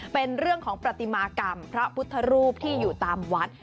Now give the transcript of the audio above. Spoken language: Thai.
เป็นเรื่องของปฏิมากรรมพระพุทธรูปที่อยู่ตามวัด